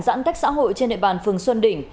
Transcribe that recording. giãn cách xã hội trên địa bàn phường xuân đỉnh